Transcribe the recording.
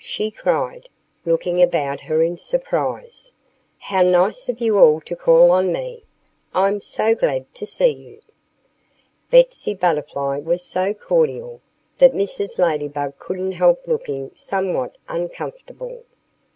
she cried, looking about her in surprise. "How nice of you all to call on me! I'm so glad to see you!" Betsy Butterfly was so cordial that Mrs. Ladybug couldn't help looking somewhat uncomfortable.